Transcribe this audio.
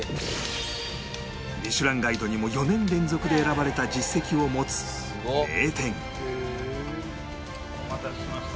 『ミシュランガイド』にも４年連続で選ばれた実績を持つ名店お待たせしました。